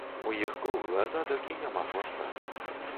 У іх круглы азадак і няма хваста.